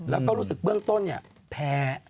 แล้วก็รู้สึกเบื้องต้นแพ้